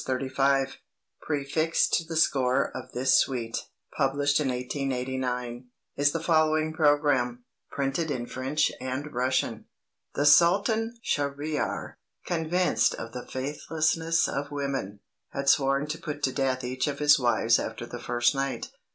35 Prefixed to the score of this suite (published in 1889) is the following programme, printed in French and Russian: "The Sultan Schahriar, convinced of the faithlessness of women, had sworn to put to death each of his wives after the first night.